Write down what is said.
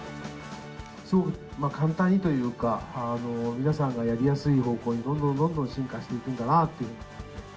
すごく簡単にというか、皆さんがやりやすい方向に、どんどんどんどん進化していくんだなっていうふうに。